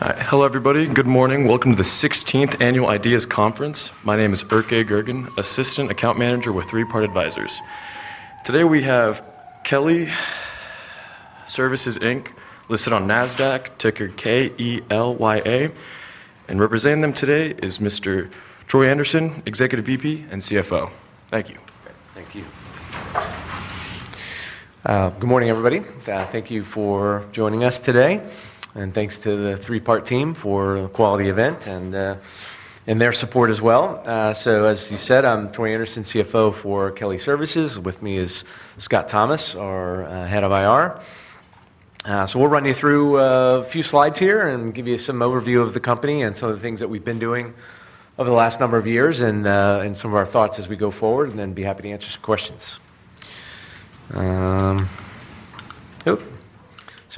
Hello everybody, good morning. Welcome to the 16th Annual Ideas Conference. My name is Erke Girgin, Assistant Account Manager with Three Part Advisors. Today we have Kelly Services Inc. listed on NASDAQ, ticker KELYA, and representing them today is Mr. Troy Anderson, Executive VP and CFO. Thank you. Thank you. Good morning everybody. Thank you for joining us today, and thanks to the Three Part team for a quality event and their support as well. As you said, I'm Troy Anderson, CFO for Kelly Services. With me is Scott Thomas, our Head of IR. We will run you through a few slides here and give you some overview of the company and some of the things that we've been doing over the last number of years and some of our thoughts as we go forward, and then be happy to answer some questions.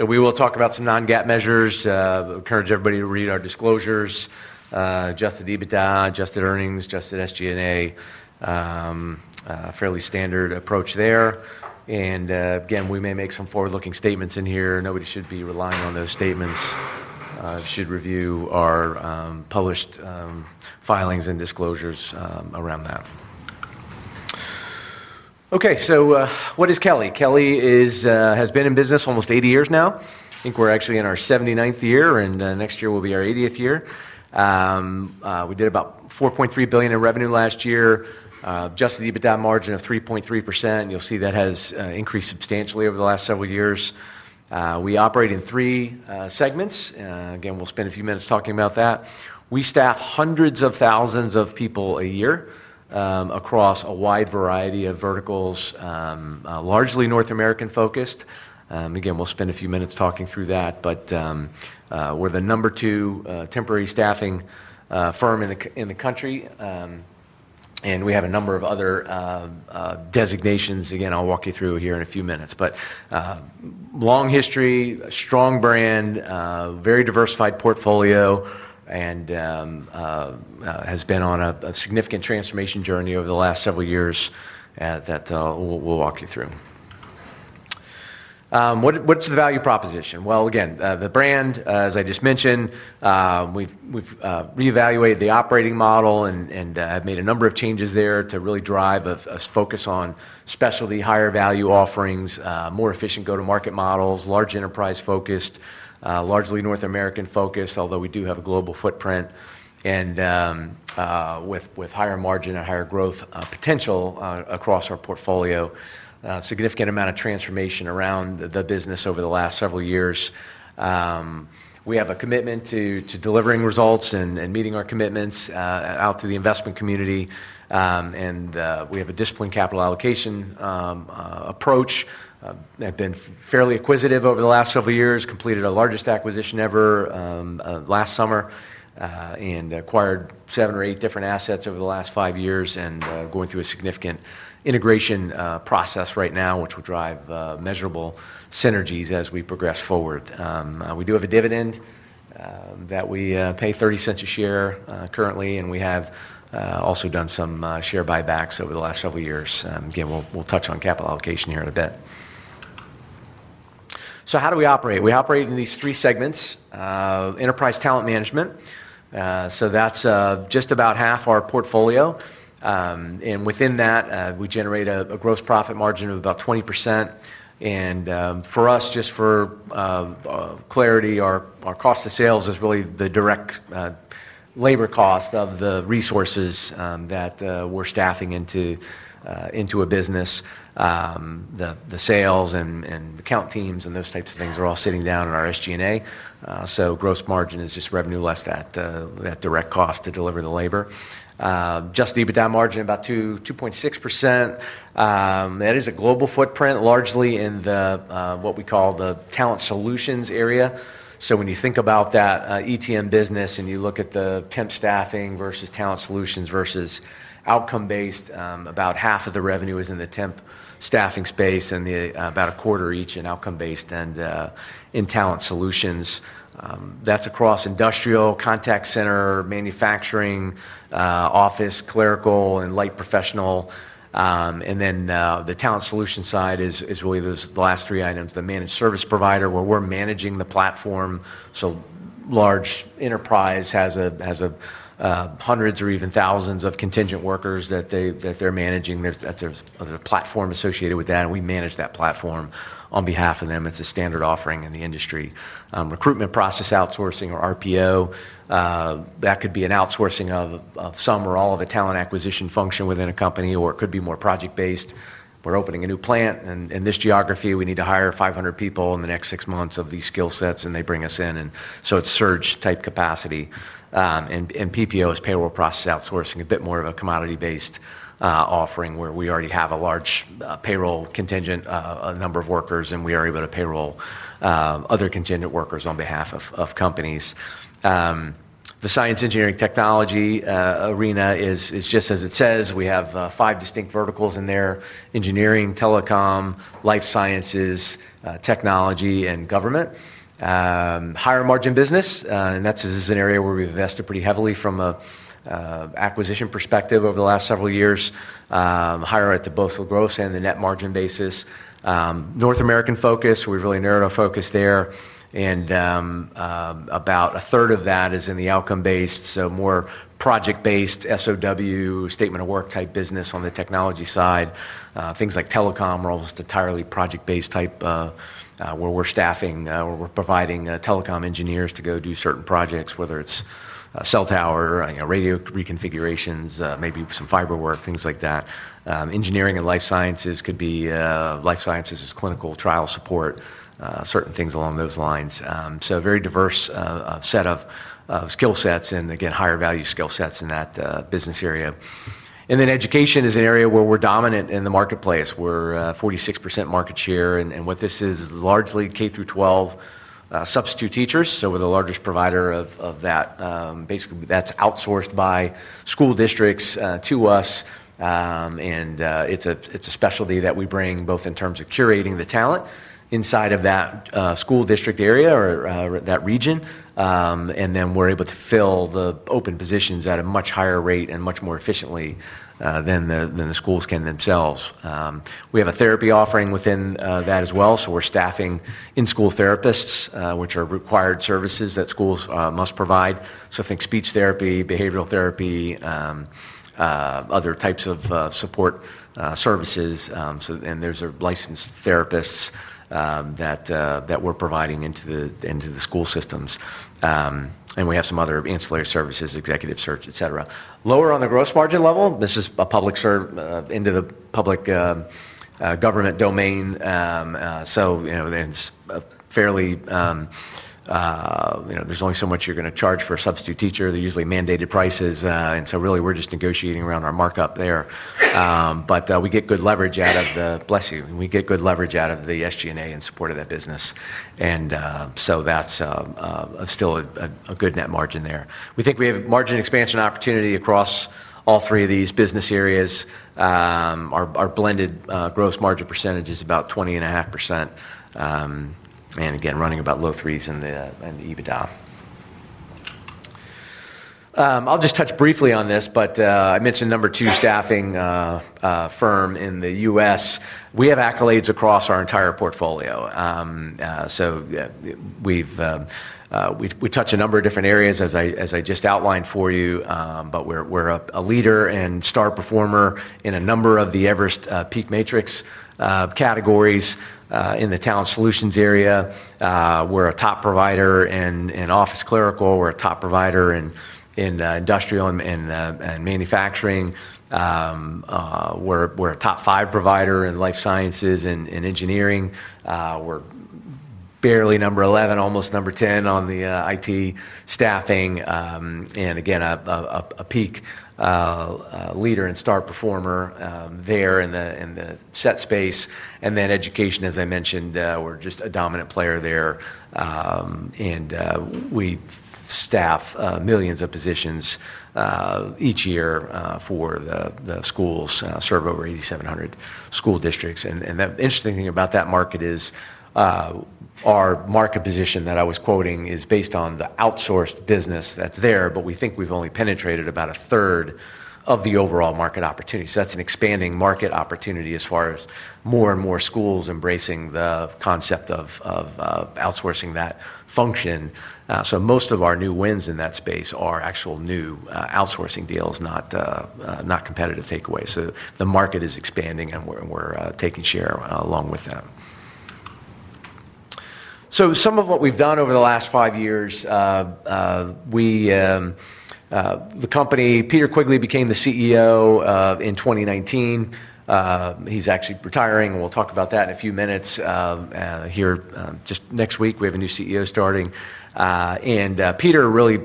We will talk about some non-GAAP measures. I encourage everybody to read our disclosures, adjusted EBITDA, adjusted earnings, adjusted SG&A, a fairly standard approach there. Again, we may make some forward-looking statements in here. Nobody should be relying on those statements. We should review our published filings and disclosures around that. Okay, what is Kelly? Kelly has been in business almost 80 years now. I think we're actually in our 79th year, and next year will be our 80th year. We did about $4.3 billion in revenue last year, adjusted EBITDA margin of 3.3%. You'll see that has increased substantially over the last several years. We operate in three segments. We will spend a few minutes talking about that. We staff hundreds of thousands of people a year across a wide variety of verticals, largely North American focused. We will spend a few minutes talking through that, but we're the number two temporary staffing firm in the country, and we have a number of other designations. I'll walk you through here in a few minutes, but long history, strong brand, very diversified portfolio, and has been on a significant transformation journey over the last several years that we'll walk you through. What's the value proposition? The brand, as I just mentioned, we've reevaluated the operating model and made a number of changes there to really drive a focus on specialty, higher value offerings, more efficient go-to-market models, large enterprise focused, largely North American focused, although we do have a global footprint and with higher margin and higher growth potential across our portfolio. A significant amount of transformation around the business over the last several years. We have a commitment to delivering results and meeting our commitments out to the investment community, and we have a disciplined capital allocation approach. I've been fairly acquisitive over the last several years, completed our largest acquisition ever last summer, and acquired seven or eight different assets over the last five years, and going through a significant integration process right now, which will drive measurable synergies as we progress forward. We do have a dividend that we pay $0.30 a share currently, and we have also done some share buybacks over the last several years. We'll touch on capital allocation here in a bit. How do we operate? We operate in these three segments: enterprise talent management, so that's just about half our portfolio, and within that, we generate a gross profit margin of about 20%. For us, just for clarity, our cost of sales is really the direct labor cost of the resources that we're staffing into a business. The sales and account teams and those types of things are all sitting down in our SG&A, so gross margin is just revenue less that direct cost to deliver the labor. Adjusted EBITDA margin about 2.6%. That is a global footprint largely in what we call the talent solutions area. When you think about that ETM business and you look at the temp staffing versus talent solutions versus outcome-based, about half of the revenue is in the temp staffing space and about a quarter each in outcome-based and in talent solutions. That's across industrial, contact center, manufacturing, office, clerical, and light professional. The talent solution side is really the last three items, the managed service provider where we're managing the platform. A large enterprise has hundreds or even thousands of contingent workers that they're managing, that there's a platform associated with that, and we manage that platform on behalf of them. It's a standard offering in the industry. Recruitment process outsourcing or RPO, that could be an outsourcing of some or all of the talent acquisition function within a company, or it could be more project-based. We're opening a new plant, and in this geography, we need to hire 500 people in the next six months of these skill sets, and they bring us in, and so it's surge-type capacity. PPO is Payroll Process Outsourcing, a bit more of a commodity-based offering where we already have a large payroll contingent, a number of workers, and we are able to payroll other contingent workers on behalf of companies. The science, engineering & technology arena is just as it says. We have five distinct verticals in there: engineering, telecom, life sciences, technology, and government. Higher margin business, and that's an area where we've invested pretty heavily from an acquisition perspective over the last several years, higher at the basal gross and the net margin basis. North American focus, we've really narrowed our focus there, and about a 1/3 of that is in the outcome-based, so more project-based SOW, statement of work type business on the technology side. Things like telecom are almost entirely project-based type where we're staffing, we're providing telecom engineers to go do certain projects, whether it's cell tower, radio reconfigurations, maybe some fiber work, things like that. Engineering and life sciences could be life sciences as clinical trial support, certain things along those lines. A very diverse set of skill sets and, again, higher value skill sets in that business area. Education is an area where we're dominant in the marketplace. We're 46% market share, and what this is largely K-12 substitute teachers, so we're the largest provider of that. Basically, that's outsourced by school districts to us, and it's a specialty that we bring both in terms of curating the talent inside of that school district area or that region, and then we're able to fill the open positions at a much higher rate and much more efficiently than the schools can themselves. We have a therapy offering within that as well, so we're staffing in-school therapists, which are required services that schools must provide. Think speech therapy, behavioral therapy, other types of support services, and there's a licensed therapist that we're providing into the school systems. We have some other ancillary services, executive search, etc. Lower on the gross margin level, this is a public service into the public government domain, so you know there's only so much you're going to charge for a substitute teacher. They're usually mandated prices, and really we're just negotiating around our markup there. We get good leverage out of the, bless you, we get good leverage out of the SG&A in support of that business, and that's still a good net margin there. We think we have margin expansion opportunity across all three of these business areas. Our blended gross margin percentage is about 20.5%, and again, running about low 3s in the EBITDA. I'll just touch briefly on this, but I mentioned number two staffing firm in the U.S. We have accolades across our entire portfolio. We touch a number of different areas as I just outlined for you, but we're a leader and star performer in a number of the Everest PEAK Matrix categories. In the talent solutions area, we're a top provider in office clerical, we're a top provider in industrial and manufacturing, we're a top five provider in life sciences and engineering. We're barely number 11, almost number 10 on the IT staffing, and again, a peak leader and star performer there in the SET space. In education, as I mentioned, we're just a dominant player there, and we staff millions of positions each year for the schools. We serve over 8,700 school districts. The interesting thing about that market is our market position that I was quoting is based on the outsourced business that's there, but we think we've only penetrated about a 1/3 of the overall market opportunity. That's an expanding market opportunity as far as more and more schools embracing the concept of outsourcing that function. Most of our new wins in that space are actual new outsourcing deals, not competitive takeaways. The market is expanding and we're taking share along with that. Some of what we've done over the last five years, the company, Peter Quigley became the CEO in 2019. He's actually retiring, and we'll talk about that in a few minutes. Here just next week, we have a new CEO starting, and Peter really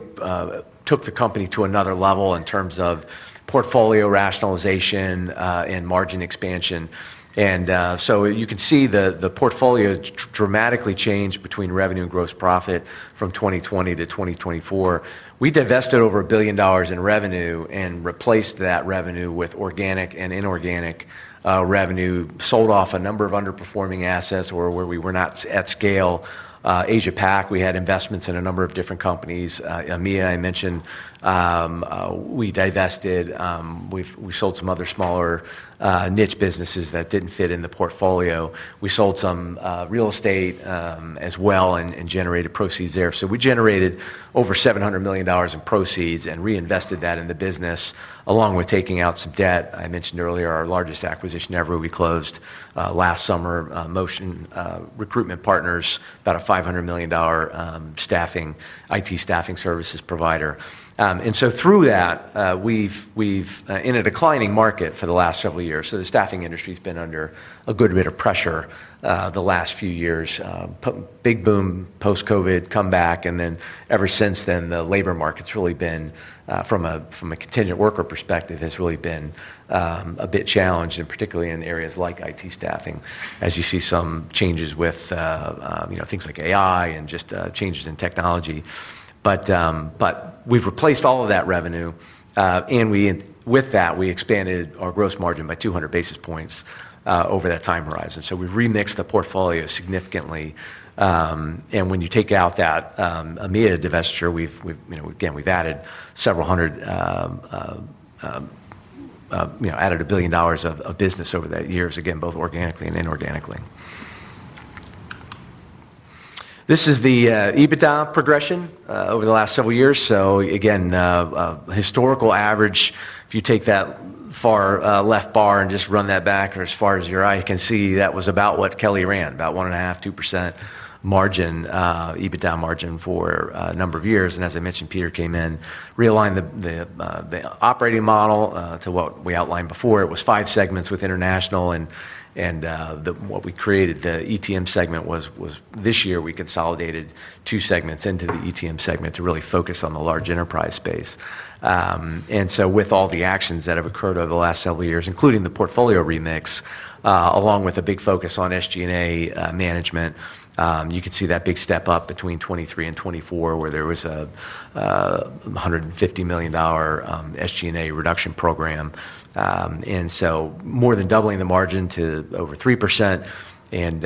took the company to another level in terms of portfolio rationalization and margin expansion. You can see the portfolio dramatically changed between revenue and gross profit from 2020 to 2024. We divested over $1 billion in revenue and replaced that revenue with organic and inorganic revenue, sold off a number of underperforming assets where we were not at scale. AsiaPac, we had investments in a number of different companies. EMEA, I mentioned, we divested. We sold some other smaller niche businesses that didn't fit in the portfolio. We sold some real estate as well and generated proceeds there. We generated over $700 million in proceeds and reinvested that in the business along with taking out some debt. I mentioned earlier our largest acquisition ever. We closed last summer Motion Recruitment Partners, about a $500 million IT staffing services provider. Through that, we've been in a declining market for the last several years. The staffing industry has been under a good bit of pressure the last few years, big boom post-COVID comeback, and then ever since then, the labor market's really been, from a contingent worker perspective, a bit challenged, particularly in areas like IT staffing, as you see some changes with things like AI and just changes in technology. We've replaced all of that revenue, and with that, we expanded our gross margin by 200 basis points over that time horizon. We've remixed the portfolio significantly. When you take out that Amida divestiture, we've added several hundred, added a $1 billion of business over the years, both organically and inorganically. This is the EBITDA progression over the last several years. A historical average, if you take that far left bar and just run that back as far as your eye can see, that was about what Kelly ran, about 1.5%, 2% margin, EBITDA margin for a number of years. As I mentioned, Peter came in, realigned the operating model to what we outlined before. It was five segments with international, and what we created, the ETM segment was this year we consolidated two segments into the ETM segment to really focus on the large enterprise space. With all the actions that have occurred over the last several years, including the portfolio remix, along with a big focus on SG&A management, you could see that big step up between 2023 and 2024 where there was a $150 million SG&A reduction program. More than doubling the margin to over 3%, and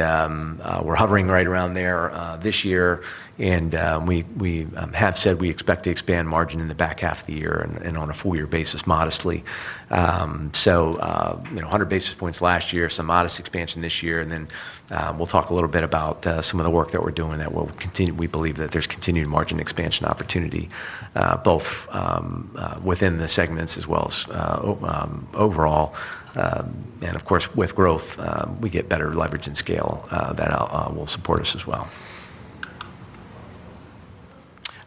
we're hovering right around there this year. We have said we expect to expand margin in the back half of the year and on a four-year basis, modestly. 100 basis points last year, some modest expansion this year, and then we'll talk a little bit about some of the work that we're doing that we believe that there's continued margin expansion opportunity, both within the segments as well as overall. Of course, with growth, we get better leverage and scale that will support us as well.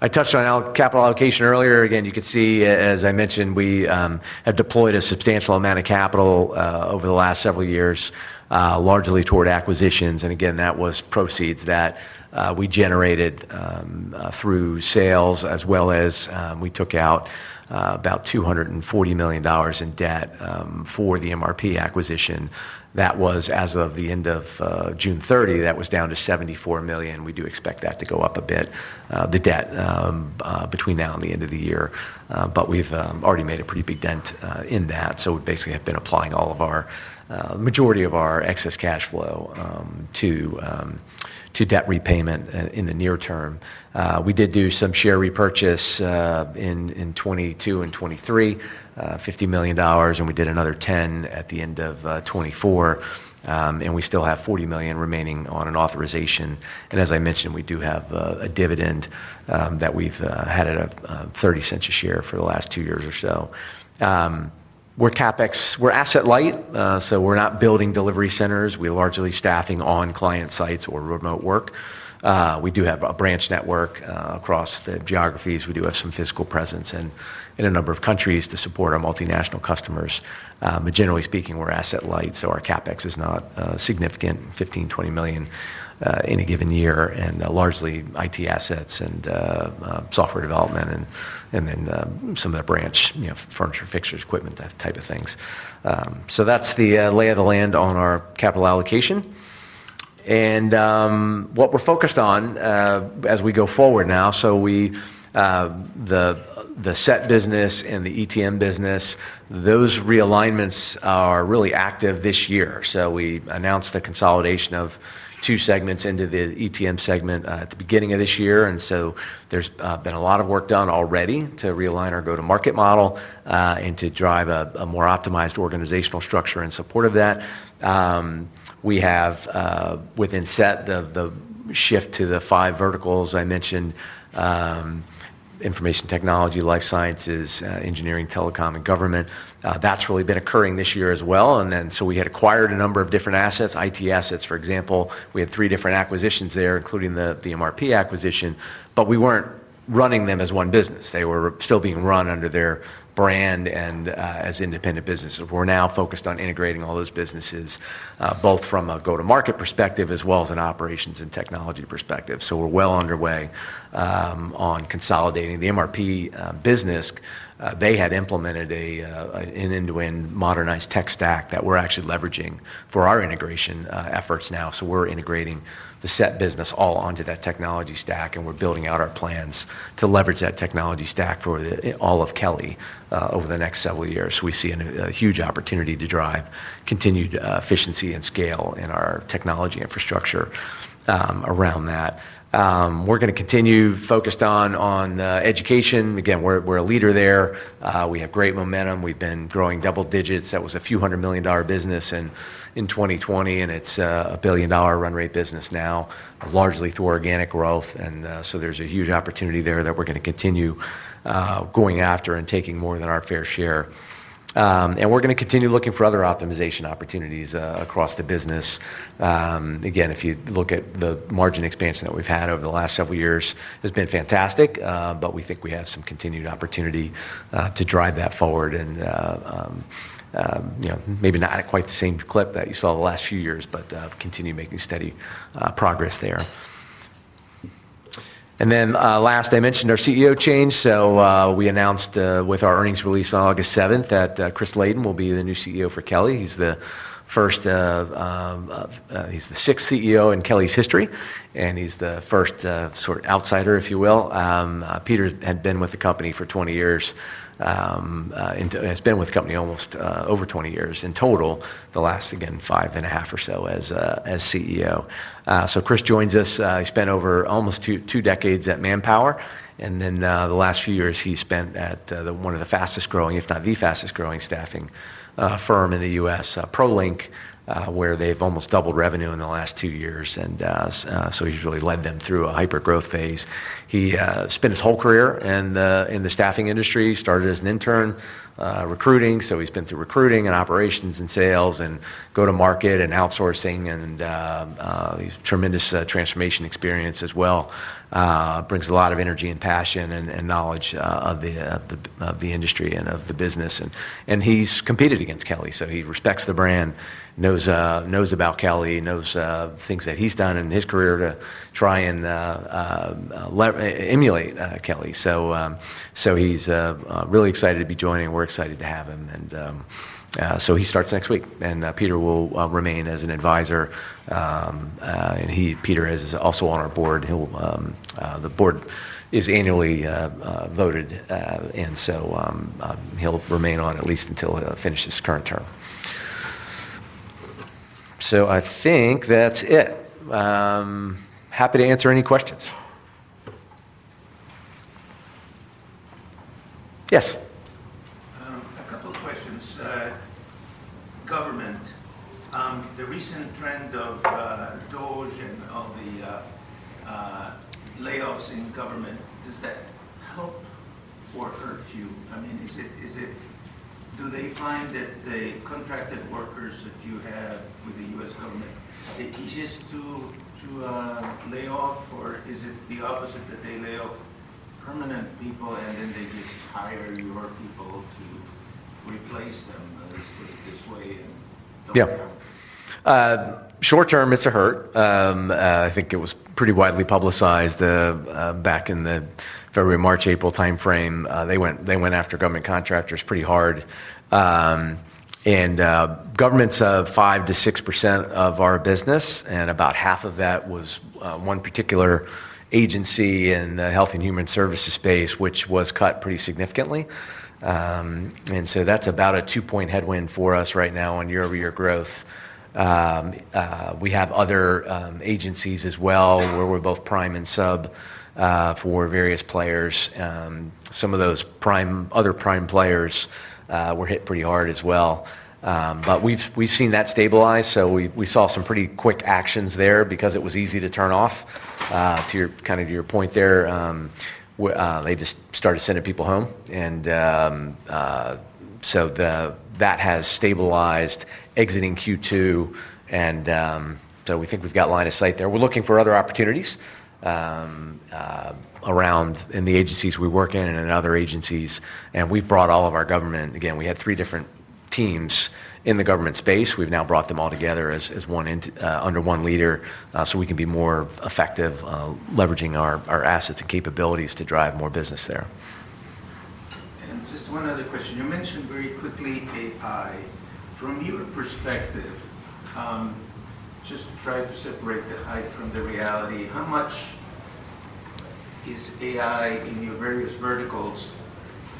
I touched on capital allocation earlier. You could see, as I mentioned, we have deployed a substantial amount of capital over the last several years, largely toward acquisitions. That was proceeds that we generated through sales, as well as we took out about $240 million in debt for the MRP acquisition. That was as of the end of June 30, that was down to $74 million. We do expect that to go up a bit, the debt between now and the end of the year. We've already made a pretty big dent in that. We basically have been applying all or the majority of our excess cash flow to debt repayment in the near term. We did do some share repurchase in 2022 and 2023, $50 million, and we did another $10 million at the end of 2024. We still have $40 million remaining on an authorization. As I mentioned, we do have a dividend that we've had at $0.30 a share for the last two years or so. We're CapEx, we're asset light, so we're not building delivery centers. We're largely staffing on client sites or remote work. We do have a branch network across the geographies. We do have some physical presence in a number of countries to support our multinational customers. Generally speaking, we're asset light, so our CapEx is not significant, $15 million, $20 million in a given year, and largely IT assets and software development and then some of the branch furniture, fixtures, equipment, that type of things. That's the lay of the land on our capital allocation. What we're focused on as we go forward now, the SET business and the ETM business, those realignments are really active this year. We announced the consolidation of two segments into the ETM segment at the beginning of this year. There's been a lot of work done already to realign our go-to-market model and to drive a more optimized organizational structure in support of that. We have within SET the shift to the five verticals I mentioned: information technology, life sciences, engineering, telecom, and government. That's really been occurring this year as well. We had acquired a number of different assets, IT assets, for example. We had three different acquisitions there, including the MRP acquisition, but we weren't running them as one business. They were still being run under their brand and as independent businesses. We're now focused on integrating all those businesses, both from a go-to-market perspective as well as an operations and technology perspective. We're well underway on consolidating the MRP business. They had implemented an end-to-end modernized tech stack that we're actually leveraging for our integration efforts now. We're integrating the SET business all onto that technology stack, and we're building out our plans to leverage that technology stack for all of Kelly over the next several years. We see a huge opportunity to drive continued efficiency and scale in our technology infrastructure around that. We're going to continue focused on education. Again, we're a leader there. We have great momentum. We've been growing double digits. That was a few hundred million dollar business in 2020, and it's a $1 billion run rate business now, largely through organic growth. There is a huge opportunity there that we're going to continue going after and taking more than our fair share. We're going to continue looking for other optimization opportunities across the business. If you look at the margin expansion that we've had over the last several years, it's been fantastic, but we think we have some continued opportunity to drive that forward and maybe not at quite the same clip that you saw the last few years, but continue making steady progress there. Last, I mentioned our CEO change. We announced with our earnings release on August 7th that Chris Layden will be the new CEO for Kelly. He's the sixth CEO in Kelly's history, and he's the first sort of outsider, if you will. Peter had been with the company for 20 years and has been with the company almost over 20 years in total, the last, again, five and a half or so as CEO. Chris joins us. He spent over almost two decades at Manpower, and then the last few years he spent at one of the fastest growing, if not the fastest growing staffing firm in the U.S., Prolink, where they've almost doubled revenue in the last two years. He's really led them through a hypergrowth phase. He spent his whole career in the staffing industry. He started as an intern recruiting, so he's been through recruiting and operations and sales and go-to-market and outsourcing, and he has tremendous transformation experience as well. Brings a lot of energy and passion and knowledge of the industry and of the business. He's competed against Kelly, so he respects the brand, knows about Kelly, knows things that he's done in his career to try and emulate Kelly. He's really excited to be joining. We're excited to have him. He starts next week, and Peter will remain as an advisor. Peter is also on our board. The board is annually voted, and he'll remain on at least until he finishes his current term. I think that's it. Happy to answer any questions. Yes. A couple of questions. Government, the recent trend of DOJ and all the layoffs in government, does that help or hurt you? I mean, do they find that the contracted workers that you have with the U.S. government, are they easier to lay off, or is it the opposite that they lay off permanent people and then they just hire your people to replace them? Is it this way? Yeah. Short-term, it's a hurt. I think it was pretty widely publicized back in the February, March, April timeframe. They went after government contractors pretty hard. Governments have 5%-6% of our business, and about 1/2 of that was one particular agency in the health and human services space, which was cut pretty significantly. That's about a two-point headwind for us right now on year-over-year growth. We have other agencies as well where we're both prime and sub for various players. Some of those other prime players were hit pretty hard as well. We've seen that stabilize. We saw some pretty quick actions there because it was easy to turn off, to kind of your point there. They just started sending people home. That has stabilized exiting Q2. We think we've got line of sight there. We're looking for other opportunities around in the agencies we work in and in other agencies. We've brought all of our government, again, we had three different teams in the government space. We've now brought them all together under one leader so we can be more effective leveraging our assets and capabilities to drive more business there. You mentioned very quickly AI. From your perspective, just trying to separate the hype from the reality, how much is AI in your various verticals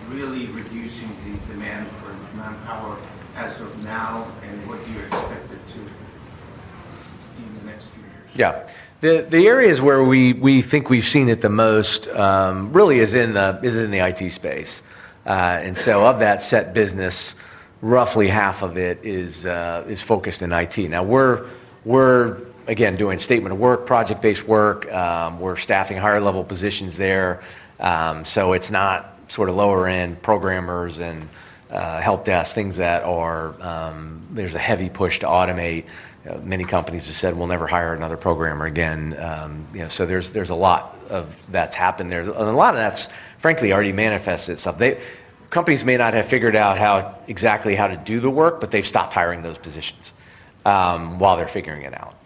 really reducing the demand for manpower as of now in the next year? Yeah. The areas where we think we've seen it the most really is in the IT space. Of that SET business, roughly 1/2 of it is focused in IT. Now we're, again, doing statement of work, project-based work. We're staffing higher level positions there. It's not sort of lower end programmers and help desk, things that are, there's a heavy push to automate. Many companies have said, we'll never hire another programmer again. There's a lot of that's happened there. A lot of that's frankly already manifested itself. Companies may not have figured out exactly how to do the work, but they've stopped hiring those positions while they're figuring it out.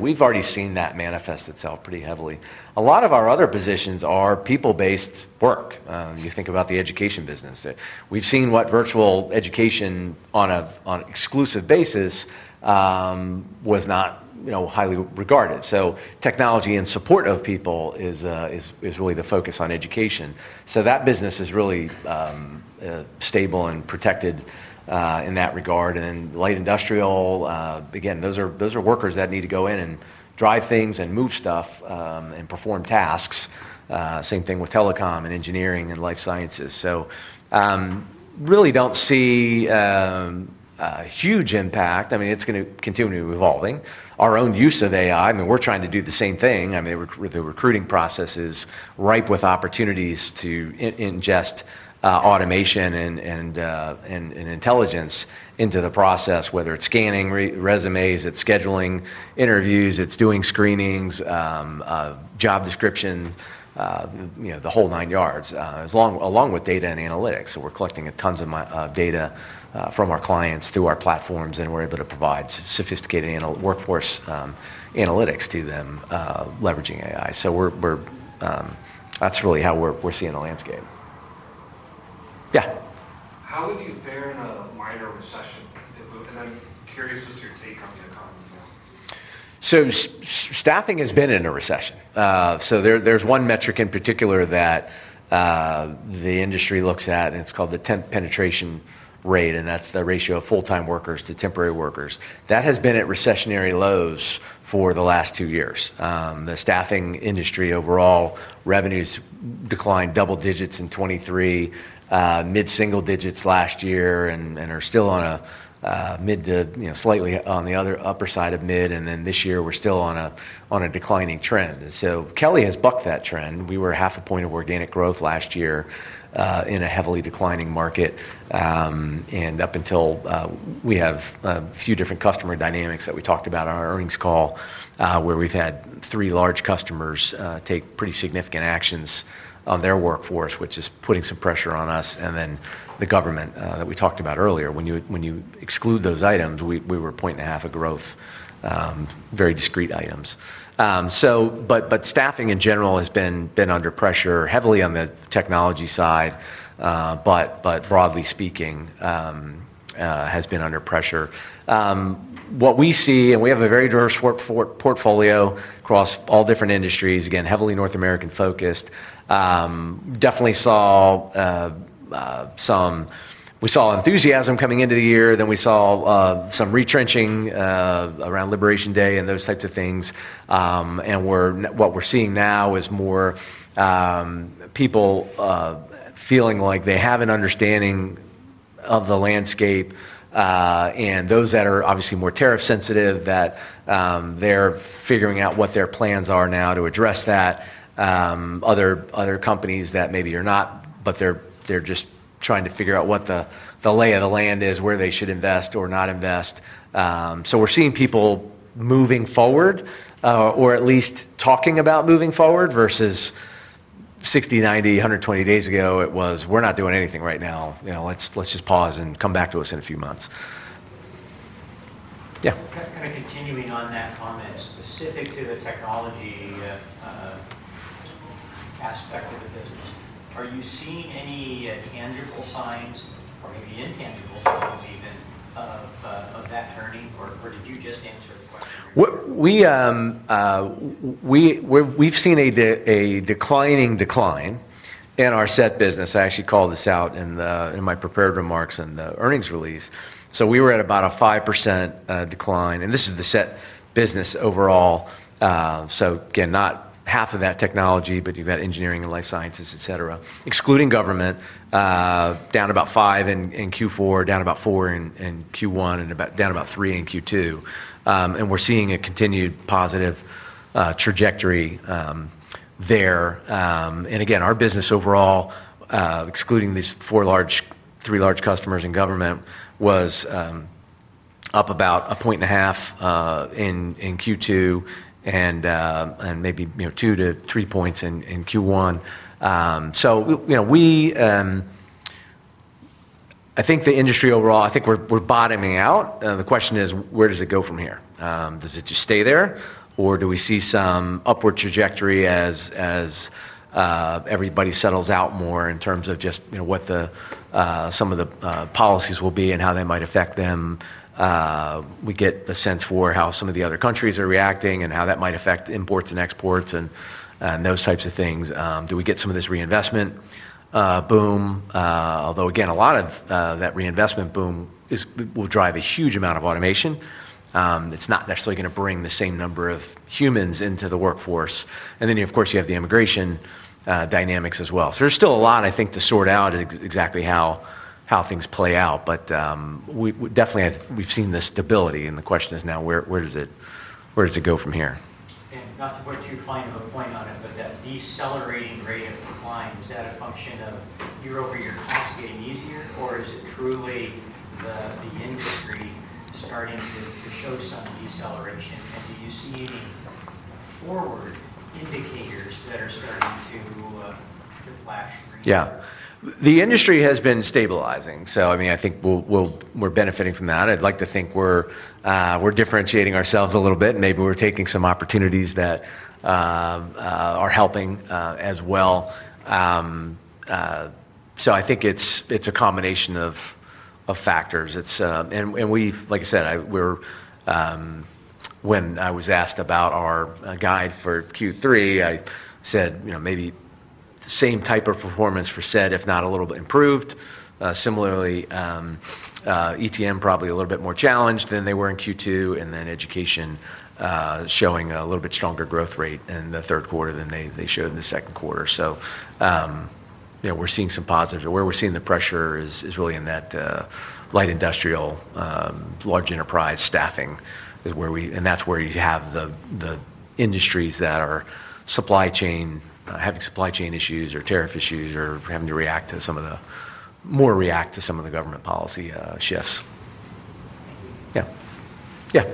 We've already seen that manifest itself pretty heavily. A lot of our other positions are people-based work. You think about the education business. We've seen what virtual education on an exclusive basis was not highly regarded. Technology and support of people is really the focus on education. That business is really stable and protected in that regard. Light industrial, again, those are workers that need to go in and drive things and move stuff and perform tasks. Same thing with Telecom and Engineering and Life Sciences. Really don't see a huge impact. I mean, it's going to continue evolving. Our own use of AI, I mean, we're trying to do the same thing. The recruiting process is ripe with opportunities to ingest automation and intelligence into the process, whether it's scanning resumes, it's scheduling interviews, it's doing screenings, job descriptions, the whole nine yards, along with data and analytics. We're collecting tons of data from our clients through our platforms, and we're able to provide sophisticated workforce analytics to them, leveraging AI. That's really how we're seeing the landscape. Yeah. How would you fare in a minor recession if... I'm curious if... Staffing has been in a recession. There is one metric in particular that the industry looks at, and it's called the Temp Penetration Rate, and that's the ratio of full-time workers to temporary workers. That has been at recessionary lows for the last two years. The staffing industry overall revenues declined double digits in 2023, mid-single digits last year, and are still on a mid to slightly on the other upper side of mid, and this year we're still on a declining trend. Kelly has bucked that trend. We were half a point of organic growth last year in a heavily declining market. Up until we have a few different customer dynamics that we talked about on our earnings call, where we've had three large customers take pretty significant actions on their workforce, which is putting some pressure on us, and then the government that we talked about earlier. When you exclude those items, we were a point and a half of growth, very discrete items. Staffing in general has been under pressure, heavily on the technology side, but broadly speaking, has been under pressure. What we see, and we have a very diverse portfolio across all different industries, again, heavily North American focused. We definitely saw some enthusiasm coming into the year, then we saw some retrenching around Liberation Day and those types of things. What we're seeing now is more people feeling like they have an understanding of the landscape, and those that are obviously more tariff sensitive, that they're figuring out what their plans are now to address that. Other companies that maybe are not, but they're just trying to figure out what the lay of the land is, where they should invest or not invest. We're seeing people moving forward, or at least talking about moving forward versus 60, 90, 120 days ago, it was, we're not doing anything right now. Let's just pause and come back to us in a few months. Yeah. Kind of continuing on that format, specific to the technology aspect of the business, are you seeing any tangible signs or maybe intangible signs even of that turn? You just answered. We've seen a declining decline in our SET business. I actually called this out in my prepared remarks in the earnings release. We were at about a 5% decline, and this is the SET business overall. Again, not 1/2 of that technology, but you've got engineering and life sciences, etc., excluding government, down about 5% in Q4, down about 4% in Q1, and down about 3% in Q2. We're seeing a continued positive trajectory there. Our business overall, excluding these four large, three large customers in government, was up about a point and a half in Q2 and maybe two to three points in Q1. I think the industry overall, I think we're bottoming out. The question is, where does it go from here? Does it just stay there, or do we see some upward trajectory as everybody settles out more in terms of just what some of the policies will be and how they might affect them? We get the sense for how some of the other countries are reacting and how that might affect imports and exports and those types of things. Do we get some of this reinvestment boom? Although, a lot of that reinvestment boom will drive a huge amount of automation. It's not necessarily going to bring the same number of humans into the workforce. Of course, you have the immigration dynamics as well. There's still a lot, I think, to sort out exactly how things play out. Definitely, we've seen this stability, and the question is now where does it go from here? Not what you find going on it, but that decelerating rate of decline, is that a function of year-over-year capacity getting easier, or is it truly the industry starting to show some deceleration? Do you see any forward indicators that are starting to move up? Yeah. The industry has been stabilizing. I think we're benefiting from that. I'd like to think we're differentiating ourselves a little bit, and maybe we're taking some opportunities that are helping as well. I think it's a combination of factors. Like I said, when I was asked about our guide for Q3, I said maybe the same type of performance for SET, if not a little bit improved. Similarly, ETM probably a little bit more challenged than they were in Q2, and then Education showing a little bit stronger growth rate in the third quarter than they showed in the second quarter. We're seeing some positives. Where we're seeing the pressure is really in that light industrial large enterprise staffing, and that's where you have the industries that are having supply chain issues or tariff issues or having to react to some of the government policy shifts. Yeah. Yeah.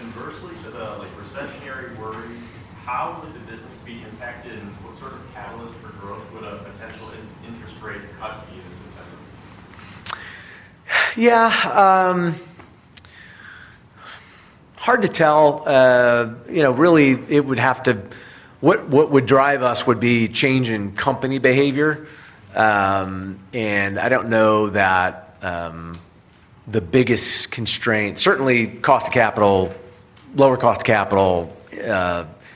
Inversely to the recessionary worries, how would the business be impacted? What sort of catalyst for growth would a potential interest rate cut? Yeah. Hard to tell. It would have to, what would drive us would be change in company behavior. I don't know that the biggest constraint, certainly cost of capital, lower cost of capital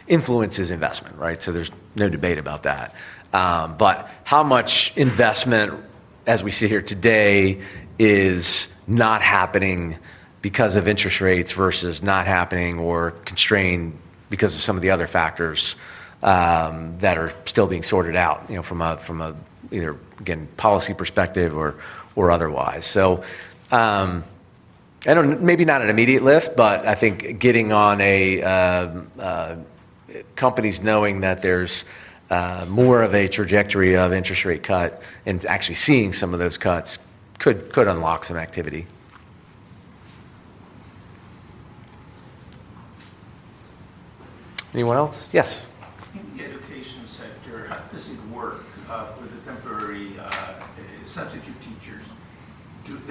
influences investment, right? There's no debate about that. How much investment, as we see here today, is not happening because of interest rates versus not happening or constrained because of some of the other factors that are still being sorted out from either, again, policy perspective or otherwise. I don't know, maybe not an immediate lift, but I think getting on a company's knowing that there's more of a trajectory of interest rate cut and actually seeing some of those cuts could unlock some activity. Anyone else? Yes.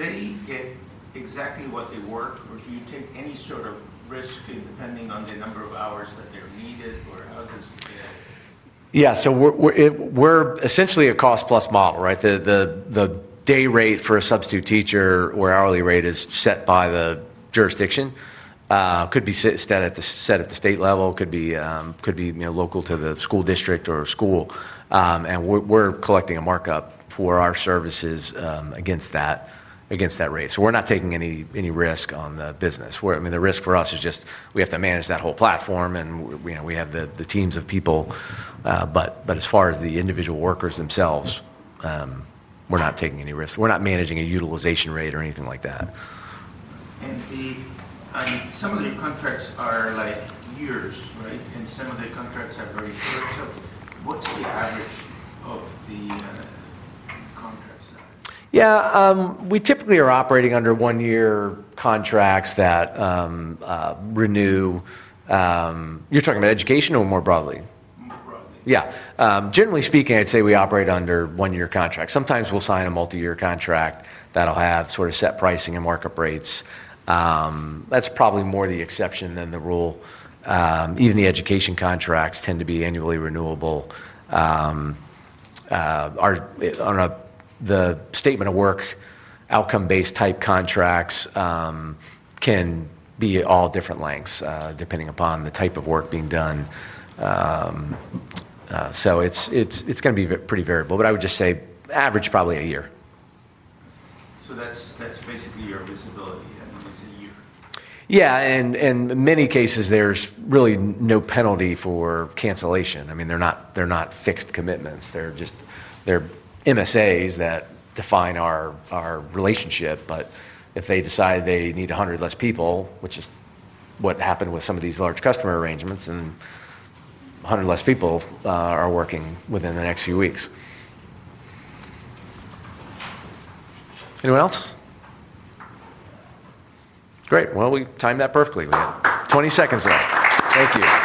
The education sector doesn't work with the temporary substitute teachers. Do they get exactly what they work, or do you take any sort of risk depending on the number of hours that they're needed or others? Yeah. We're essentially a cost-plus model, right? The day rate for a substitute teacher or hourly rate is set by the jurisdiction. It could be set at the state level or could be local to the school district or school. We're collecting a markup for our services against that rate. We're not taking any risk on the business. I mean, the risk for us is just we have to manage that whole platform, and we have the teams of people. As far as the individual workers themselves, we're not taking any risk. We're not managing a utilization rate or anything like that. Some of the contracts are like years, right? Some of the contracts are very short-term. What's the average? Yeah. We typically are operating under one-year contracts that renew. You're talking about education or more broadly? Yeah. Generally speaking, I'd say we operate under one-year contracts. Sometimes we'll sign a multi-year contract that'll have sort of set pricing and markup rates. That's probably more the exception than the rule. Even the education contracts tend to be annually renewable. The statement of work outcome-based type contracts can be all different lengths depending upon the type of work being done. It is going to be pretty variable, but I would just say average probably a year. That's basically your business, and that's a year. Yeah. In many cases, there's really no penalty for cancellation. I mean, they're not fixed commitments. They're just MSAs that define our relationship. If they decide they need 100 less people, which is what happened with some of these large customer arrangements, 100 less people are working within the next few weeks. Anyone else? Great. We timed that perfectly. We had 20 seconds left. Thank you.